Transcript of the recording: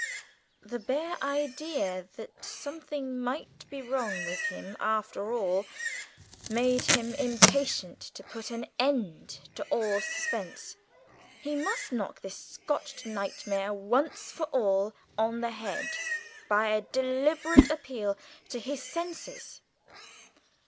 The bare idea that something might be wrong with him after all made him impatient to put an end to all suspense. He must knock this scotched nightmare once for all on the head by a deliberate appeal to his senses.